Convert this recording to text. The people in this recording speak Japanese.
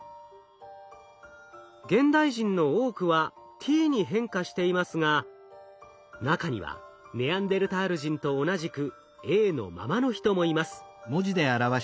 現代人の多くは「Ｔ」に変化していますが中にはネアンデルタール人と同じく「Ａ」のままの人もいます。